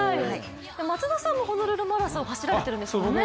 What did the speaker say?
松田さんもホノルルマラソン走られてるんですよね？